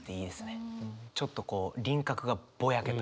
ちょっとこう輪郭がぼやけたものというか。